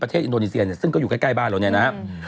ประเทศอินโดนีเซียซึ่งก็อยู่ใกล้บ้านแล้วเนี่ยนะ